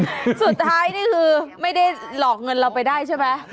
สุดท้ายนี่คือไม่ได้หลอกเงินเราไปได้ใช่ไหม